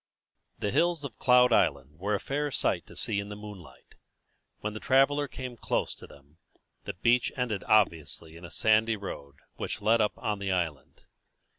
The hills of Cloud Island were a fair sight to see in the moonlight. When the traveller came close to them, the beach ended obviously in a sandy road which led up on the island.